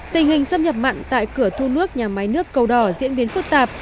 tình hình xâm nhập mặn tại cửa thu nước nhà máy nước cầu đỏ diễn biến phức tạp